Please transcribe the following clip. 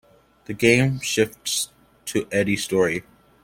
The game shifts to Eddie's story.